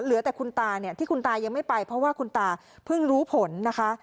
เหลือแต่คุณตาเนี่ยที่คุณตายังไม่ไปเพราะว่าคุณตาเพิ่งรู้ผลนะคะ